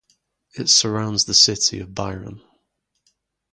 It surrounds the city of Byron.